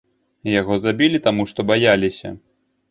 Яго забілі, таму што баяліся.